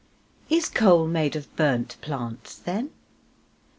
Is coal made of burnt plants, then?